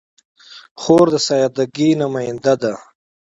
خور د سادګۍ نماینده ده.